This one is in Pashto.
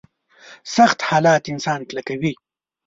سخت حالات انسان کلکوي.